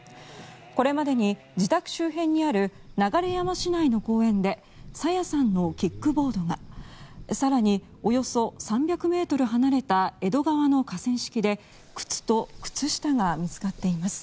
これまでに自宅周辺にある流山市内の公園で朝芽さんのキックボードが更に、およそ３００ｍ離れた江戸川の河川敷で靴と靴下が見つかっています。